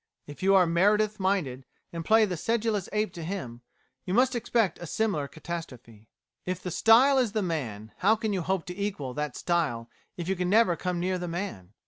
If you are Meredith minded, and play the sedulous ape to him, you must expect a similar catastrophe. _If the style is the man, how can you hope to equal that style if you can never come near the man?